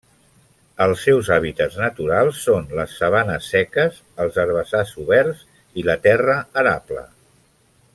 Els seus hàbitats naturals són les sabanes seques, els herbassars oberts i la terra arable.